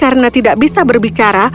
lagi brok juga tidak bisa berbicara